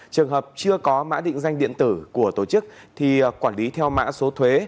trường hợp chưa có mã định danh điện tử của tổ chức thì quản lý theo mã số thuế